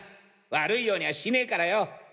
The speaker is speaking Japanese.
悪いようにはしねぇからよォ。